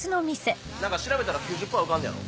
何か調べたら９０パー受かんのやろ？